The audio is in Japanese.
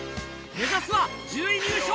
目指すは１０位入賞！